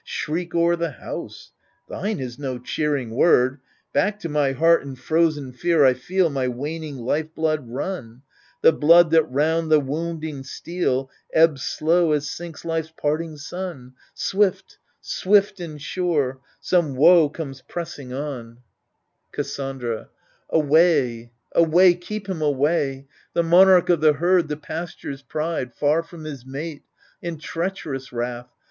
Shriek o'er the house ? Thine is no cheering word. Back to my heart in frozen fear I feel My wanning life blood run — The blood that round the wounding steel Ebbs slow, as sinks life's parting sun — Swift, swift and sure, some woe comes pressing on ! AGAMEMNON 51 Cassandra Away, away — ^keep him away — The monarch of the herd, the pasture's pride, Far from his mate ! In treacherous wrath.